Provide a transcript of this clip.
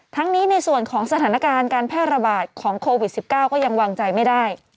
ทั้งนี้ในส่วนของสถานการณ์การแพร่ระบาดของโควิด๑๙ก็ยังวางใจไม่ได้